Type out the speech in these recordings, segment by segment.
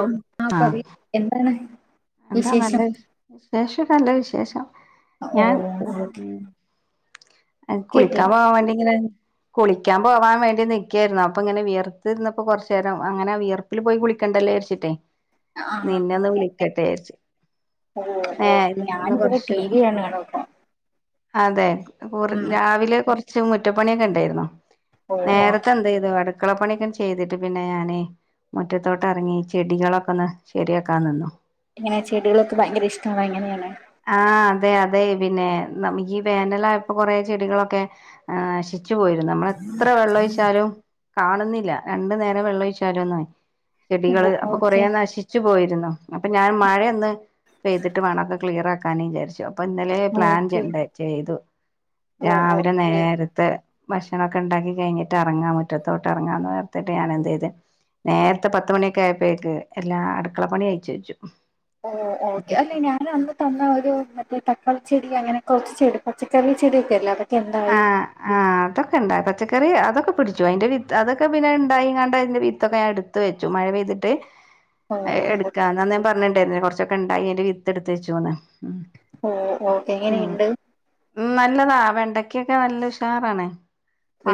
ആഹ് പറയു എന്താണ് എന്ത നല്ല വിശേഷം വിശ് വിശേഷൊക്ക നല്ല വിശേഷം ഓ ഞാൻ ഓക്കെ, ഉം കേട്ടില്ല കുളിക്കാ പോവാൻ വേണ്ടി ഇങ്ങനെ കുളിക്കാൻ പോവാൻ വേണ്ടി നിക്കെര്ന്നു അപ്പൊ ഇങ്ങനെ വിയർത്തിര്ന്നപ്പൊ കൊറ്ച്ചേരം അങ്ങനെ വിയർ പ്പില് പോയി കുളിക്കണ്ടലെ വിചാരിച്ചിട്ടെ ആഹ് നിന്നൊന്ന് വിളിക്കട്ടേ ര്ച്ചു ഓഹ് ഓഹ് ഞാനിവിടെ ട്ടീ. വി കാണാണൊ അതെ കൊറ് രാവിലെ കൊറ്ച്ച് മുറ്റപ്പണിയൊക്കെണ്ടേർന്നു ഓ ഓക്കെ നേരത്തെ എന്തീത്‌ അട്ക്കള പണിയൊക്കൺ ചെയ്തിട്ട് പിന്ന ഞാന് മുറ്റത്തോട്ടെറങ്ങി ചെടികളൊക്കൊന്ന് ശരിയാക്ക നിന്നു എങ്ങനെ ചെടികളൊക്ക ഭയങ്കര ഇഷ്ട്ടാണൊ എങ്ങനേണ് ആഹ് അതെ അതെ പിന്നെ നമിക്കീ വേനലായപ്പൊ കൊറേ ചെടികളൊക്കെ ഏഹ് നശി ച്ചു പോയിരുന്നു നമ്മളെത്ര വെള്ളൊഴിച്ചാലും കാണ്ന്നില്ല രണ്ട് നേരം വെള്ള ഒഴിച്ചാലൊന്നു ചെടികള് ഓ അപ്പൊ കൊറേ ഓക്കെ നശി ച്ചു പോയിരുന്നു അപ്പൊ ഞാൻ മഴയൊന്ന് പെയ്തിട്ട് വേണൊക്ക ക്ലിയറാക്കാന് ചാരിച്ചു ഇപ്പൊ ഇന്നലെ പ്ലാൻ ഓക്കെ ചെണ്ടെ ചെയ്തു ഓ രാവിലെ ഓക്കെ നേരത്തെ ഭക്ഷണൊക്ക ഇണ്ടാക്കി കഴ്ഞ്ഞിട്ട് എറങ്ങ മുറ്റത്തോട്ട് എറങ്ങാന്ന് ഓർത്തിട്ട് ഞാൻ എന്തീത് നേര്ത്തെ പത്ത് മണിയൊക്കെ ആയപ്പേക്ക് എല്ലാ അട്ക്കള പണി കയിച്ച് വെച്ചു ഓഹ് ഓക്കെ എന്നിട്ട് അല്ലേ ഞാ ഞാനന്ന് തന്ന ഒരു മറ്റേ തക്കാളി ചെടി അങ്ങനെ കൊറച്ച് ചെടി പച്ചക്കറി ചെടിയൊക്കെ ഇല്ലെ ആഹ് ആഹ് അതൊക്കണ്ട് പച്ചക്കറി അതൊക്കെ പിട്ച്ചു അയ്ന്റെ വിത്ത് അതൊക്കെ പിന്നെണ്ടായിങ്ങാണ്ട് അയ്ന്റെ വിത്തൊക്ക ഞാൻ ഇട് ത്ത് വെച്ചു മഴ പെയ്തിട്ട് ഓ എ എട്ക്കാന്നന്ന് ഞാൻ പറഞ്ഞിണ്ടാര്ന്ന് കൊറച്ചൊക്കെ ഇണ്ടായി അയ്ന്റെ വിത്തെട്ത്തെച്ചൂന്ന് ഉം ഓഹ് ഓഹ് എങ്ങനെ ഇണ്ട് ഉം നല്ലതാ വെണ്ടക്കൊക്കെ നല്ല ഉഷാറാണ്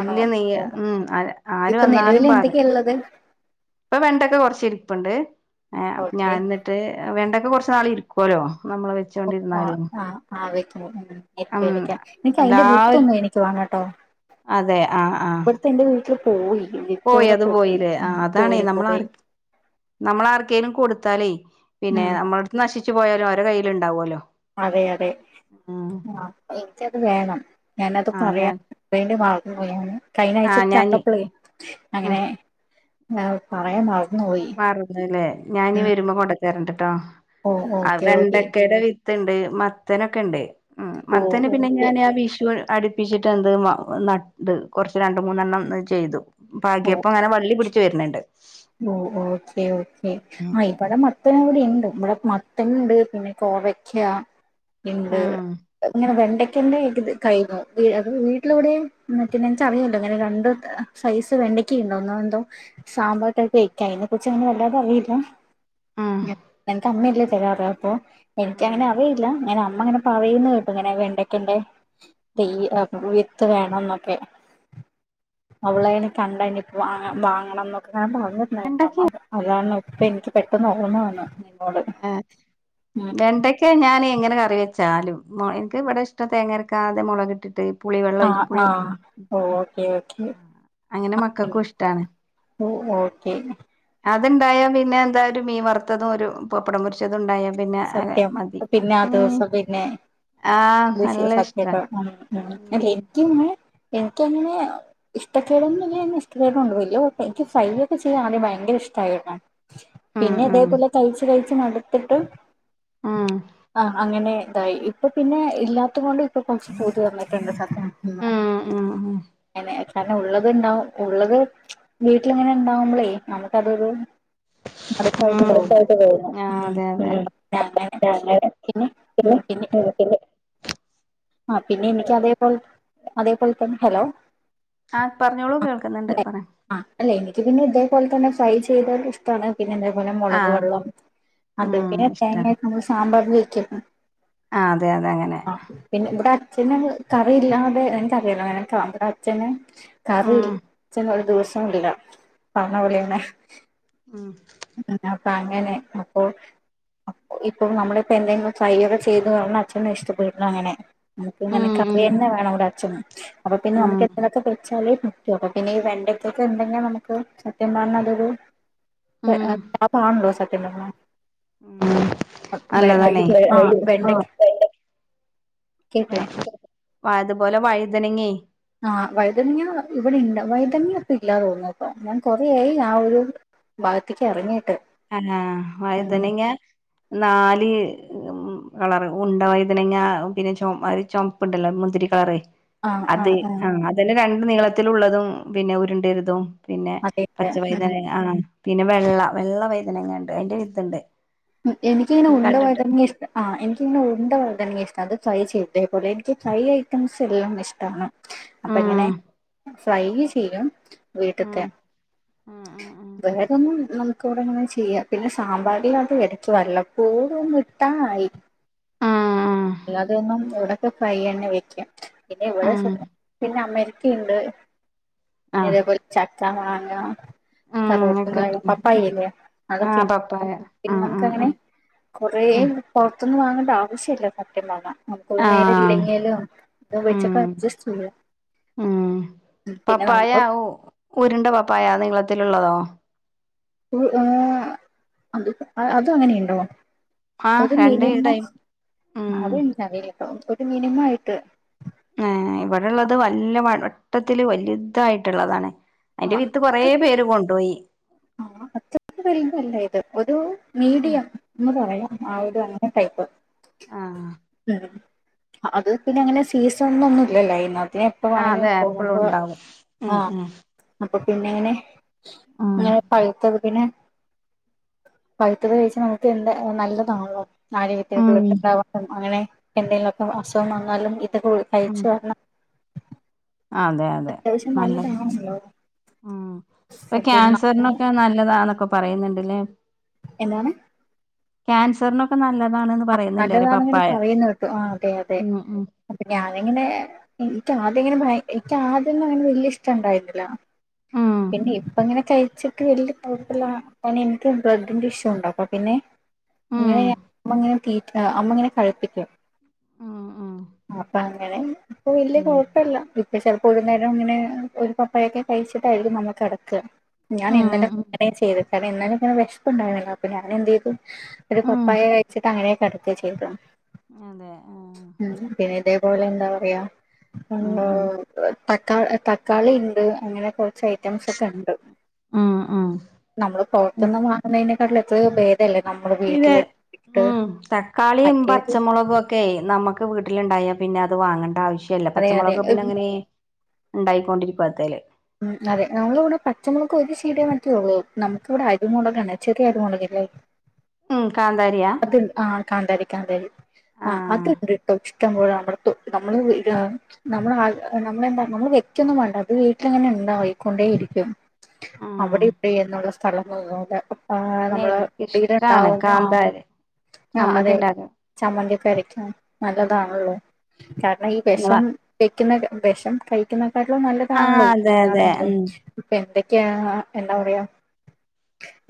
ആണോ നെയ്യ് ഓ ഉം അര് ആര് ഇപ്പൊ വന്നാലും നിലവിൽ പറിം എന്തൊക്കെയാ ഉള്ളത് ഇപ്പൊ വെണ്ടക്ക കൊറ്ച്ച് ഇരിപ്പ്ണ്ട് ആഹ് ഞാൻ ഓക്കെ ഇന്ന്ട്ട് വെണ്ടക്ക കൊറ്ച്ച് നാൾ ഇരിക്കോലൊ നമ്മളെ ഓഹ് ആഹ് ആഹ് അത് വെക്കുമ്പൊ ഉം ഉം വെക്കൂരിക്ക നിക്ക് അയിന്റെ വിത്തൊന്ന് എനിക്ക് വേണട്ടോ ഏഹ് ആഹ് ആഹ് അവിട്ത്തെ ഇന്റെ വീട്ട്ല് പോയി വിത്തോട പോയി പോയി പോയി നമ്മള് ആർക്കേലും കൊട്ത്താലേ പിന്നെ ഉം നമ്മള അടുത്ത് നശിച്ചു പോയാലും അവര കയ്യില് ഇണ്ടാവോലൊ. അതെ അതെ ആഹ് എനിക്കത് വേണം ഞാനത് ആ പറയാ ഞാൻ വേണ്ടി മറന്നു പോയാണ് കഴിഞ്ഞ ആ ആഴ്ച ഞാന് കണ്ടപ്പളേ ഉം അങ്ങനെ ഞാനത് പറയാ മറന്നു. പോയി മറന്നുലേ ഞാ ഇനി ഉം വരുമ്പൊ കൊണ്ടത്തരണ്ട്ട്ടോ ഓ ആഹ് ഓക്കെ ഓക്കെ വെണ്ടക്കേടെ വി ണ്ട് മത്തനൊക്ക ഇണ്ട് ഉം ഓ മത്തന് പിന്ന ഓക്കെ ഞാനാ വിഷു അടുപ്പിച്ചിട്ട് എന്ത് നട്ട് കൊറ്ച്ച് രണ്ട് മൂന്നെണ്ണം ചെയ്തു പാഗ്യേപ്പം അങ്ങനെ വള്ളി പിടിച്ച് വർണ് ണ്ട്. ഓഹ് ഓക്കെ ഓക്കെ ഉം ആയ് ഇവടെ മത്തനു കുടി ഇണ്ട് ഇവടെ മത്തൻണ്ട് പിന്ന കോവയ്ക്ക്യാ ഇണ്ട് ഉം ഇങ്ങനെ വെണ്ടയ്ക്കന്റെ ഇത് കയിഞ്ഞു അത് വീട്ടിലെവിടെ മറ്റേനച്ച അറിയാലൊ ഇങ്ങനെ രണ്ട് സൈസ് വെണ്ടക്കേണ്ടോന്ന് എന്തൊ സാമ്പാർ വെക്കാൻ അനെകുറിച്ച് അനെ വല്ലാതെ അറിയില്ല ഉം നക്ക് അമ്മല്ലേ തരാറ് അപ്പൊ ഉം എനിക്കങ്ങനെ അറിയില്ല ഞാൻ അമ്മ ഇങ്ങനെ പറയുന്ന്‌ കേട്ടു ഇങ്ങനെ വെണ്ടക്കെന്റെ [unintelligible] ഉം ത്ത് വേണം ന്നൊക്കെ അവളതിന് കണ്ട പ്പ വാങ്ങ വാങ്ങണം എന്നൊക്കെ ഞാൻ പറഞ്ഞിട്ടരുന്നായിരുന്നു വെണ്ടയ്ക്ക അമ്മത് അതാണ് ഇപ്പൊ എനിക്ക് പെട്ടെന്ന് ഓർമ്മ വന്ന് ആഹ് വെണ്ടക്ക് ക്കെ ഞാൻ എങ്ങനെ കറി വെച്ചാലും മ് എനിക്ക് ഇവിടെ ഇഷ്ടം തേങ്ങരക്കാതെ മുളകിട്ടിട്ട് പുളിവെള്ളം ആ പുളി ആ ഓക്കെ ഓക്കേ അങ്ങനെ മക്കൾക്കും ഇഷ്ടാണ് [unintelligible] ഓ ഓക്കേ അത്ണ്ടായാ പിന്നെ എന്താ ഒരു മീൻ വറുത്തതും ഒരു പപ്പടം പൊരിച്ചതുണ്ടായാ പിന്നെ അത് സത്യം മതി പിന്നെ ആ ഉം ദിവസം പിന്നെ ആഹ് നല്ല ഇഷ്ടാ ഉം എക്ക് നെ എനിക്കങ്ങനെ ഇഷ്ടക്കേടൊന്നുല്ല ന്ന ഇഷ്ട [unintelligible] എനിക്ക് ഫ്രെയ് ഒക്കെ ചെയ്യാൻ ആദ്യം ഭയങ്കര ഇഷ്ടായിരുന്നു. ഉം പിന്നെ ഉം ഇതേപോലെ കയിച്ചു കയിച്ചു മടുത്തിട്ട് ഉം ആ അങ്ങനെ ഇതായി ഇപ്പൊ പിന്നെ ഇല്ലാത്ത കൊണ്ട് ഇപ്പൊ കുറച്ച് [unintelligible] വന്നിട്ടുണ്ട് [unintelligible] ഉം ഉം [unintelligible] കാരണം ഉള്ളത്ണ്ടാവ ഉള്ളത് വീട്ടിലിങ്ങനെ ഉണ്ടാവുമ്പോളേ നമുക്കതൊരു ആ മടുപ്പായിട്ട് [unintelligible] ആ അതെ അതെ അങ്ങെനെ ആങ്ങെളെടെ പിന്നെ [unintelligible] ആ പിന്നെ എനിക്ക് അതേപോലെ അതേപോലെ തന്നെ ഹലോ ആ പറഞ്ഞോളൂ കേൾക്കുന്നുണ്ട് അല്ലെ പറയാം ആ അല്ലേ എനിക്ക് പിന്നെ ഇതേപോലെ തന്നെ ഫ്രൈ ചെയ്താലും ഇഷ്ട്ടാണ് പിന്നെ അതേപോലെ മുളക് ആഹ് വെള്ളം അത് ഉം പിന്നെ ഇഷ്ടാണ് തേങ്ങക്കെ നമ്മൾ സാമ്പാർ വെക്കുന്ന ആ അതെ അതെ അങ്ങനെ പിന്നെ ഇവിടെ അച്ഛൻ കറിയില്ലാതെ [unintelligible] അച്ഛന് കറി ഇൽ ഉം അച്ഛന് ഒരു ദിവസം ഇല്ല പറഞ്ഞ പടി ഉം തന്നെ ഉം ഇപ്പ അങ്ങനെ അപ്പൊ അപ് ഇപ്പ നമ്മളിപ്പോ എന്തെങ്കിലും ട്രൈ ഒക്കെ ചെയ്ത് [unintelligible] അച്ഛന് ഇഷ്ടപ്പെടണം അങ്ങനെ നമുക്ക് ഇങ്ങനെ ഉം കറി തന്നെ വേണം ഇവിടെ അച്ഛനും അപ്പൊ പിന്നെ ഉം നമുക്ക് എന്തൊക്കെ വെച്ചാലേ അപ്പൊ പിന്നെ ഈ വെണ്ടയ്ക്കൊക്കെന്തെങ്കാ നമുക്ക് സത്യം പറഞ്ഞാ അതൊരു ത് ഉം അ [unintelligible] ആണോ സത്യം പറഞ്ഞാ ഉം അപ് വെ അ ഇ നല്ലതാണേ അ വെണ്ടയ്ക്ക് [unintelligible] അതുപോലെ വഴുതനങ്ങി - ആഹ് വഴുതനങ്ങ ഇവിടെ ഇല്ല വഴുതനങ്ങയൊക്കെ ഇല്ലാ തോന്നുന്നു പ്പോ ഞാൻ കൊറെയായി ആ ഒരു ഭാഗത്തേക്ക് ഇറങ്ങിട്ട് ആ ആഹ്‌ വയതനങ്ങ നാല് ഉം കളറ് ഉണ്ട വൈതനങ്ങ പിന്നെ ചൊ അഹ്‌ ചുമപ്പു ണ്ടല്ലോ മുന്തിരി കളറ് ആ ആ അത് ആ ആഹ്‌ അതെന്നെ രണ്ണ്ട് നീളത്തിലുള്ളതും പിന്നെ ഉരുണ്ടേതും. പിന്നെ അതെ അതെ ഉം പച്ചവയ്തന ആഹ്‌ പിന്നെ വെള്ള വെള്ള വയ്തനങ്ങണ്ട് അതിന്റെ വിത്ത്ണ്ട്. എനിക്കങ്ങനെ ഉണ്ടവയ്തനങ്ങ ഇഷ് ആഹ്‌ എനിക്കിങ്ങനെ ഉണ്ട വയ്തനങ്ങ ഇഷ്ട അത്ഫ്രൈ ചെയ്തേ ഇതെ പോലെ എനിക്ക് ഫ്രൈ ഐറ്റംസ് എല്ലാം ഇഷ്ടണ്. അപ്പ എങ്ങനെ ഉം ഫ്രൈ ചെയ്യും? വീട്ടത്തെ ഉം ഉം ഉം വേഗൊന്നും. നമുക്കിവിടെങ്ങനെ ചെയ്യാം പിന്നെ സാമ്പാറിൽ അത് എടക്ക് വല്ലപ്പോഴും ഒന്ന് ഇട്ടാലായി. ഉം അല്ലാതെയൊന്നും ഇവിടെൊക്കെ ഫ്രൈന്നെ വെക്ക. പിന്നെ ഉം ഇവിടെ ഉം പിന്നെ അമ്മക്ക്. ഒക്കെണ്ട് പിന്നെ ആഹ് അതേപോലെ ചക്കാ, മാങ്ങാ. ഉം കറിവേപ്പില ഒക്കെണ്ട് പപ്പായയ്ല്ലേ ആഹ് അതൊക്കെണ് പപ്പായ പിന്നെ ആഹ് ആഹ് നമുക്ക്ങ്ങനെ ആഹ് കുറെ പുറത്തൊന്ന് വാങ്ങണ്ട ആവശ്യ ഇല്ല സത്യം പറഞ്ഞ. നമുക്കൊരു ആഹ് നേരം ആഹ് ഇല്ലെങ്കിലും. ഇത് ഉം വെച്ചക്കെ അഡ്ജസ്റ്റ് ചെയ്യാ. ഉം പിന്നെ പപ്പായ നമ്മൾ ഉരുണ്ട പപ്പായ നീളത്തിലുള്ളതോ? ഇഹ്‌ അത് അങ്ങനെയുണ്ടോ? ആഹ് ഒരു രണ്ട് മിനിമം ടൈം ഉം അത് എനിക്കറിയില്ല ട്ടോ ഒരു മിനിമം ആയിട്ട്. ഏഹ്‌ ഇവിടെള്ളത് വല്ല വട്ടത്തില് വലുതായിട്ടുള്ളതാണ്. അയിന്റെ ആഹ് വീത്ത് കൊറ പേര് കൊണ്ടോയി. ആഹ്‌ അത്റക്ക്‌ വലുതല്ല ഇത് ഒരു ഉം മീഡിയം എന്ന് പറയാം. ആഹ്‌ ഒരു അങ്ങനത്തെ ടൈപ്പ്. ആഹ്‌ ഉം അത് പിന്നെ അങ്ങനെ സീസൺണൊ ന്നുല്ലല്ലോ അയ്നമതോ. എപ്പ ആഹ് വേണെങ്കിലും അതെ എപ്പഴും പോകുമ്പോ ഉണ്ടാവും ഉം ആഹ്‌ ഉം അപ്പൊ പിന്നെ ഇങ്ങനെ ഉം ഇങ്ങനെ പുഴ്ത്തത് പിന്നെ. പഴുത്തത് കഴിച്നമുക്ക് എന്താ നല്ലതാണല്ലോ ആരോഗ്യത്തെ ഉം ബ്ലഡ്ണ്ടാവും അങ്ങനെ. എന്തെങ്കലിലൊക്കെ അസുഖം വന്നാലും ഇതൊക്കെ ഉം കഴച്ച്ന് പറഞ്ഞ അതെ അതെ അത്യാവശ്യം നല്ലത് നല്ലതാണല്ലോ ഉം ഇപ്പൊ പിന്നെ ക്യാൻസറിനെ ക്കെ നല്ലതാന്നൊക്കെ പറയുന്നുണ്ട്ല്ലേ? എന്താണ്. ക്യാൻസറിനൊക്കെ നല്ലതാണ്. ആഹ്‌ നല്ലതാണ്ങ്ങനെ പറയുന്നത് കേട്ടു ആഹ്‌ അതെ അതെ ഉം ഉം അപ്പൊ ഞാനിങ്ങനെ എനിക്ക് ആദ്യം ഇങ്ങനെ ഭയ എനിക്ക ആദ്യൊന്നും അങ്ങനെ വല്യ ഇഷ്ടം ഇണ്ടായിരുന്നില്ല. ഉം പിന്നെ ഇപ്പങ്ങനെ കഴിച്ചിട്ട് വല്യ കൊഴപ്പല്ല. ഇക്ക് ബ്രെഡിന്റെ ഇഷു ഉണ്ണ്ടാകും അപ്പൊ പിന്നെ ഉം അങ്ങനെയാവുമ്പോങ്ങനെ തീറ്റ അമ്മങ്ങനെ കഴിപ്പിക്കും. ഉം ഉം അപ്പൊ ങ്ങനെ ഇപ്പൊ വല്യ ഉം കുഴപ്പല്ല ഇപ്പ ചേൽ ഒരു നേരം ഇങ്ങനെ ഒരു പപ്പഴയൊക്കെ കഴിച്ചിട്ടായിരിക്കും നമ്മൾ കെടക്ക. ഞാൻ ഉം ഉം ഇന്നലെങ്ങന ചെയ്തത് കാരണം ഇന്നലെങ്ങനെ വെഷപ്പുണ്ടായിരുന്നീല്ല അപ്പ ഞാന്എന്ത്യ്തു. ഒരു ഉം പപ്പായ കഴിച്ചിട്ട്. അങ്ങനെ കെടക്കാ ചെയ്തത്. അതെ ആഹ് ഉം പിന്നെ ഇതേപോലെ എന്താ പറയാ ഉം ഇഹ്‌ ഉം തക്കാ തക്കാളിണ്ട് അങ്ങനെ കൊറച്ച് ഐറ്റംസ്ക്കെ ഇണ്ട്. ഉം ഉം നമ്മള് പുറത്തുന്ന് വാങ്ങുന്നതിനേക്കാട്ടിൽ എത്രയോ ബേ ദല്ലേ നമ്മള് പിന്നെ വീട്ടില് ഇട്ട്ട് ഉം മറ്റേത്. ക്കെ നമ്മുക്ക് വീട്ടിലുണ്ടായ പിന്നെ അത് വാങ്ങണ്ട ആവശ്യല്ല. അതെ പച്ചമുളകൊക്കെ അതെ പിന്നെ അങ്ങനെ. ഉണ്ടായിക്കൊണ്ടിരിക്ക ത്തേല് ഉം അതെ നമ്മളിവിടെ പച്ചമുളക് ഒരു ചീടേ മാറ്റേള്ളൂ നമുക്ക് ഇവിടെ അരി മുളകാണ് ചെറിയ അരി മുളകില്ലേ. ഉം കാന്താരിയാ ആഹ്‌ കാന്തരി കാന്താരി ആഹ്‌ ആഹ് അത്ണ്ട് ട്ടൊ ഇഷ് കുമ്പ നമ്മ നമ്മള് ഇത് നമ്മൾ നമ്മളെ എന്താ നമ്മള് വ്യക്യൊന്നും വേണ്ട അത് വീട്ടിലിങ്ങനെ ഉണ്ടായിക്കൊണ്ടേ ഇരിക്കും. അവിടെ ഉം ഇവിടെ എന്നുള്ള സ്ഥലം തോന്നുല്ല നമ്മള് എനിക്കിഷ്ടാണ് ഇയിലണ്ടാവും ആ കാന്താരി ആഹ് ചമ്മന്തി അതെ ഉണ്ടാക്കാൻ ചമ്മന്തിക്കെ അരക്കാൻ ഉം ഉം നല്ലതാണല്ലൊ കാരണം ഈ നിങ്ങളെ വെഷം വയ്ക്കുന്ന വിഷം കഴിക്കുന്നക്കാട്ടിലും ആഹ് നല്ലതാണല്ലോ ഇപ്പൊ അതെ അതെ ഒന്നാണെങ്കിലും ഉം ഇപ്പൊ എന്തൊക്കെയാ എന്താ പറയാ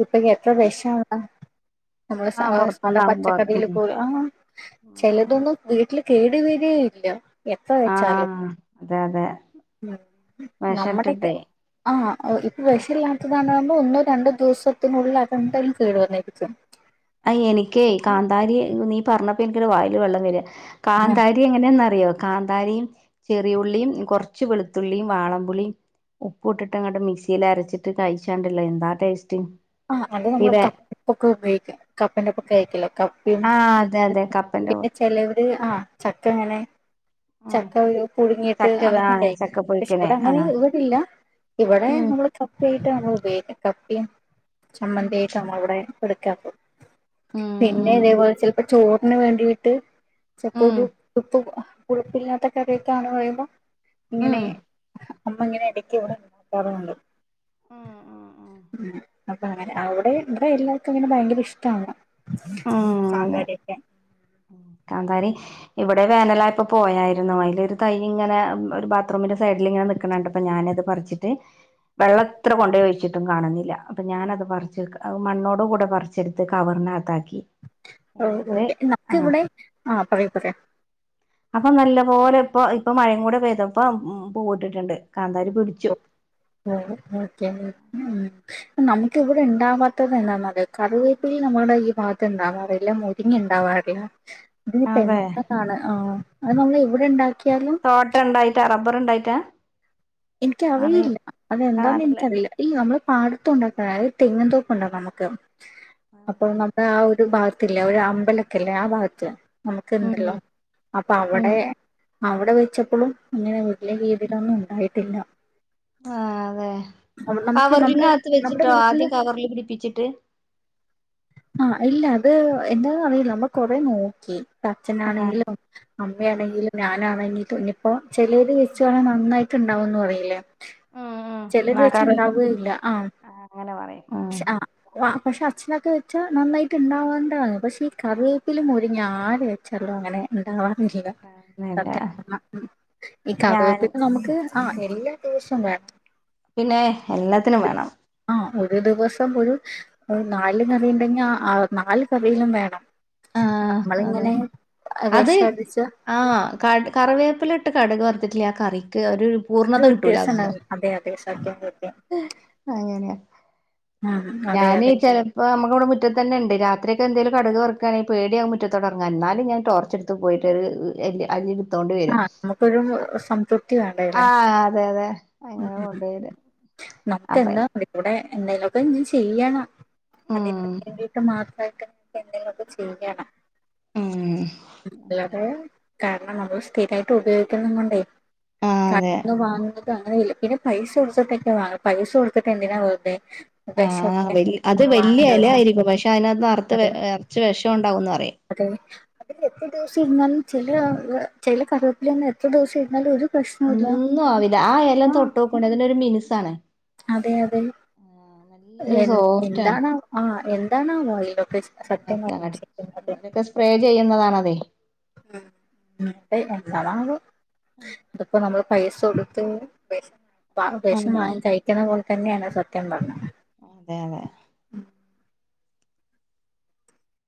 ഇപ്പൊ എത്ര വിഷ നമ്മള ആഹ് സാദാ പൊറത്തുന്നാവുമ്പോ പച്ചക്കറിയിൽ ഉം പോലും ആഹ ചെലതൊന്നും വീട്ടിൽ കേട് വരികയില്ല എത്ര വെച്ചാലും ആഹ് അതെ അതെ നമ്മുടേക്ക വെഷട്ടിട്ടെ ആഹ് ഇപ്പൊ വെ ഷല്ലാത്തതാകുമ്പൊ ഒന്നോ രണ്ടോ ദിവസത്തിനുള്ളിൽ അതെന്തായാലും കേടു വന്നിരിക്കും ആഹ് എനിക്കേ കാന്താരി നീ പറഞ്ഞപ്പൊ എനിക്കൊരു വായില് വെള്ളം വരിക കാന്താരി ക എങ്ങനെയന്ന അറിയോ കാന്താരിയും ചെറിയുള്ളിയും കൊറച്ച് വെളുത്തുള്ളിയും വാളൻ പുളിയും ഉപ്പ് ഇട്ടിട്ട് ഇങ്ങോട്ട് മിക്സിൽ അരച്ചിട്ട് കഴിച്ചാണ്ടല്ലൊ എന്താ ടേസ്റ്റ് ആഹ് അത് നമ്മള് ഇതെ കപ്പക്കൊക്കെ ഉപയോഗിക്കും കപ്പേന്റെ ഒപ്പം കഴി ക്കോലോ ആഹ് അതെ അതെ കപ്പന്റെ പിന്നെ കൂടെ ചെലര് ആഹ് ചക്ക ഇ ങ്ങനെ ഉം ചക്ക പുഴുങ്ങിയിട്ട് ചക്ക ആ അങ്ങനെ കഴിക്കും പക്ഷെ ചക്കപ്പുഴുക്കിനെ ഇവിടെ ആ അങ്ങനെ ഇവിടില്ല ഇവിടെ ഉം നമ്മള് കപ്പയായിട്ടാ നമ്മ ഉപയോഗിക്ക കപ്പയും ഉം ചമ്മന്തിയായിട്ട നമ്മള് ഇവിടെ എടുക്ക പ്പൊ ഉം പിന്നെ ഉം ഇതേപോലെ ചെൽ ച [unintelligible] ഇപ്പൊ ചോറിന് വേണ്ടീട്ട് ചെൽപ്പൊ ഉം ഒരു ഉപ്പ് കുഴപ്പില്ലാത്ത കറിയൊക്കാണ് പറയുമ്പൊ ഉം ഇങ്ങനെ അമ്മ ഇങ്ങനെ ഇടക്ക് ഇവിടെ ഉണ്ടാക്കാറുണ്ട് ഉം ഉം ഉം ഉ അപ്പൊ അങ്ങനെ അവിടെ ഇവിടെ എല്ലാവർക്കും അങ്ങനെ ഭയങ്കര ഇഷ്ട്ടമാണ് ഉം അതെ സാമ്പാറൊക്കെ കാന്താരി ഇവിടെ വേനലായപ്പൊ പോയായിരുന്നു അതിലൊരു തൈ ഇങ്ങനെ ഒരു ബാത്റൂമിന്റെ സൈഡിൽ ഇങ്ങനെനി ക്കണ കണ്ടപ്പൊ ഞാനത് പറിച്ചിട്ട് വെള്ളംത്ര കൊണ്ടൊഴിച്ചിട്ടും കാണുന്നില്ല അപ്പൊ ഞാനത് പറിച്ച് മണ്ണോടെ കൂടെ പറി ച്ചെടുത്ത് കവറിനകത്താക്കി ഓ എന്നിട്ട് ഓക്കെ ആ നമുക്കിവിടെ ആ പറയൂ പറയാം അപ്പൊ നല്ലപോലെ ഇപ്പൊ ഇപ്പ മഴയും കൂടെ പെയ്തപ്പ പൂ വിട്ടിട്ടുണ്ട് കാന്താരി പിടിച്ചു ഓക്കെ [unintelligible] നമുക്ക് ഇവിടെ ഉണ്ടാവാത് എന്താന്നറിയോ കറിവേപ്പുള്ളി നമ്മുടെ ഈ ഭാഗത്തുണ്ടാവാ റില്ല പിന്നെ ഉണ്ടാവാറില്ല [inaudible] ഇതിന് പെട്ടെന്നാണ് ആഹ് അത് നമ്മൾ എവിടെ ഉണ്ടാക്കിയാലും തോട്ടം ഉണ്ടായിട്ടാ റബ്ബർ ഉണ്ടായിട്ടാ അറി എനിക്കറിയില്ല അതെന്താന്ന് കാണില്ല എനിക്കറിയില്ല ഇല്ല നമ്മള് പാടത്ത ഉണ്ടാക്കാം അതായത് തെങ്ങിൻ തോപ്പ ഉണ്ട് നമുക്ക് അപ്പൊ നമ്മുടെ ആഹ് ഒരു ഭാഗത്തില്ലേ ഒരു അമ്പലോക്കെ ഇ ല്ലേ ആ ഭാഗത്ത് നമുക്ക് ഉം ഇണ്ടല്ലോ അപ്പൊ ഉം അവിടെ അവിടെ വെച്ചപ്പൊളും അങ്ങനെ വലിയ രീതിയിലൊന്നും ഉണ്ടായിട്ടില്ല ആഹ് അതെ അവിടെ നമുക്ക് നമ്മുടെ കവറിലിനകത്ത് നമ്മുടെ വെച്ചിട്ടോ വീട്ടില് ആദ്യം കവറില് പിടിപ്പിച്ചിട്ട് ആഹ് ഇല്ല അത് എന്താന്ന്‌ അറിയില്ല നമ്മൾ കൊറേ നോക്കി ആ അച്ഛനാണെങ്കിലും ആ അമ്മയാണെങ്കിലും ഞാനാണെങ്കിലും ന്നിപ്പൊ ചെലര് വെച്ചഴിഞ്ഞാൽ നന്നായി ട്ട് ണ്ടാവോന്ന് പറയില്ലേ ചെലര് ആ വെച്ച കറി ഉണ്ടാവുകയില്ല ആഹ് അങ്ങനെ പറയും ഉം ആഹ് പക്ഷെ അച്ഛനൊക്കെ വെച്ചാ നന്നായിട്ട് ഇണ്ടാവേണ്ടതാണ് ണ് പക്ഷെ ഈ കറിവേപ്പിലും മുരിങ്ങ ആര ചെല്ലോ അങ്ങനെ ഉണ്ടാവാണം ഇല്ല പിന്നെ ചെയ്യാം ഈ ഞാൻ കറിവേപ്പില നമുക്ക് ആഹ് എല്ലാ ദിവസോം വേണം പിന്നെ എല്ലാത്തിനും വേണം ആഹ് ഒരു ദിവസം ഒരു നാല് കറി ണ്ടെങ്കി ആ നാല് കറിയിലും വേണം. ആഹ് അതെ നമ്മളിങ്ങനെ അത് വെശടിച്ച് ആഹ് കട് കറിവേപ്പിലട്ട് കട്ക് വറ്ത്തിട്ടില്ലേ ആ കറിക്ക് ഒരു പൂർണത ഒരു കിട്ടൂല ദിവസം തോന്നുന്നു ഇണ്ടാവില്ല. അതെ അതെ സത്യം സത്യം. അങ്ങന്യാ ആഹ് ആഹ് അതെ യതെ പോ നമുക്ക് വടെ മുറ്റത്തെന്നെണ്ട് രാത്രി ക്കെന്തെലും കടക് വറ് ക്കാന് പേട്യാവും മുറ്റത്തോട്ടെർങ്ങാന് ന്നാലും ഞാൻ ടോർച്ചെട്ത്ത് പോയിട്ട് ഒര് എല്ല് അല്ലി [unintelligible] ത്തോണ്ട് ആ വെരും നമുക്കൊരു സംതൃപ്തി വേണ്ടേല്ലേ. ആഹ് അതെ യതെ അങ്ങനെ കൊണ്ട് വരും. നമക്ക് എന്നാ [unintelligible] ഇവടെ എന്നേലൊക്കെ എന്തിം ചെയ്യണം. അതിന് ഉം വേണ്ടിട്ട് മാത്രയിട്ട് നമക്കെന്തെലൊക്കെ ചെയ്യണം. ഉം അങ്ങനെ ല്ലത് കാരണം നമ്മള് സ്ഥിരായിട്ടുപയോഗിക്കുന്ന കൊണ്ടേ ആ ക അതെ [unintelligible] ഇപ്പങ്ങനയല്ല പിന്നെ പൈസ കൊട്ത്ത്ട്ടൊക്കെ വാങ്ങ പൈസ കൊട്ത്ത്ട്ടെന്തിനാ വെർതെ ആഹ് വെല് അത് വെല്ല്യെ എലായിരിക്കും പക്ഷെ അതിനകത്ത് നർത്ത് അതെ ഏഹ് നർച്ച് വെഷോണ്ടാവുന്ന് പറയും. അതെ അത് എത്ര ദിവസിര്ന്നാലും ചെലെ അഹ് ചെല കറിവേപ്പിലൊന്നും എത്ര ദിവസിര്ന്നാലും ഒരു പ്രശ്നവുമില്ല ഒന്നു ആവില്ല ആ എല തൊട്ടോക്കോണ്ടി അതിനൊരു മിൻസാണ്. അതെ യതെ എൻ സോഫ്റ്റ് ആണ് എന്താണാവോ ആഹ് എന്താണാവോ അയ്‌നൊക്കെ ചെ ഒക്കങ്ങട്ട് അതൊക്കെ സ്പ്രേ ചെയ്യുന്നതാണതെ. ഉം ഉം [unintelligible] എന്താണാവോ അതിപ്പോ നമ്മള് പൈസൊട്ത്ത് വേ വ വേഷം ആഹ് വാങ്ങി കഴിക്കുന്ന പോലെ തന്നെണ് സത്യം പർഞ്ഞ. അതെ അതെ യതെ